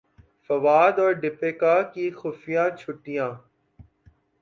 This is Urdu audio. فواد اور دپیکا کی خفیہ چھٹیاں